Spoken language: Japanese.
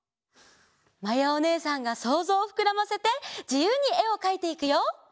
まやおねえさんがそうぞうをふくらませてじゆうにえをかいていくよ！